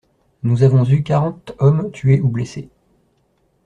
Nous avons eu quarante hommes tués ou blessés.